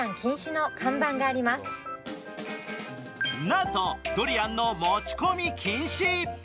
なんとドリアンの持ち込み禁止。